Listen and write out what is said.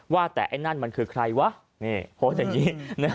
ว่าแต่ไอ้นั่นมันคือใครวะนี่โพสต์อย่างนี้